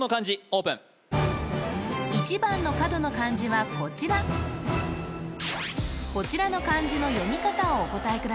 オープン１番の角の漢字はこちらこちらの漢字の読み方をお答えください